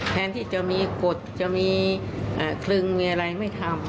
แทนที่จะมีกฎจะมีคลึงมีอะไรไม่ทำ